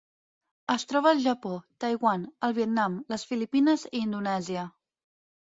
Es troba al Japó, Taiwan, el Vietnam, les Filipines i Indonèsia.